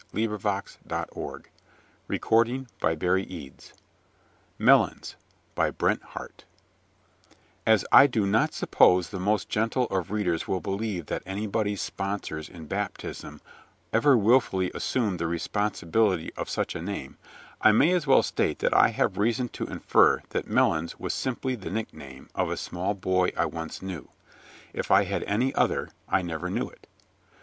THE WIT AND HUMOR OF AMERICA MELONS BY BRET HARTE As I do not suppose the most gentle of readers will believe that anybody's sponsors in baptism ever wilfully assumed the responsibility of such a name, I may as well state that I have reason to infer that Melons was simply the nickname of a small boy I once knew. If he had any other, I never knew it.